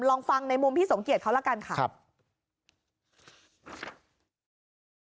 ลองฟังในมุมพี่สมเกียจเขาละกันค่ะ